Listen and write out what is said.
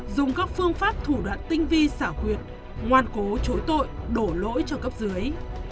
dùng các phương pháp thủ đoạn tinh vi xảo quyệt ngoan cố chối tội đổ lỗi cho cấp dưới